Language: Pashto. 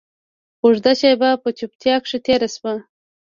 اوږده شېبه په چوپتيا کښې تېره سوه.